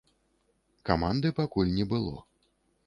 Каманды пакуль не было.